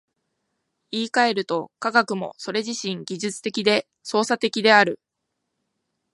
言い換えると、科学もそれ自身技術的で操作的である。